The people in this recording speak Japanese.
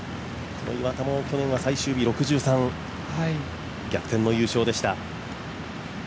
この岩田も最終日６３、逆転の優勝でした。